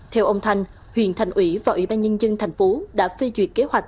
theo ông thanh huyền thành ủy và ủy ban nhân dân tp hcm đã phê duyệt kế hoạch